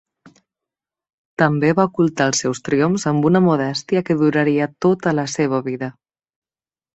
També va ocultar els seus triomfs amb una modèstia que duraria tota la seva vida.